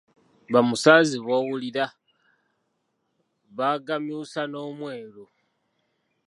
"Ba Musaazi b’owulira, bagamyusa n'omweru."